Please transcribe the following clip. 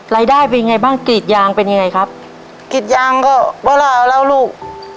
รายได้เป็นยังไงบ้างกรีดยางเป็นยังไงครับกรีดยางก็เวลาเอาแล้วลูก